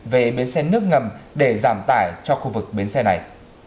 về biến xe nước ngầm để giảm tải cho khu vực biến xe này